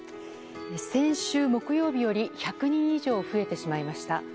先週木曜日より１００人以上増えてしまいました。